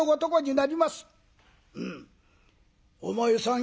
「うん。お前さん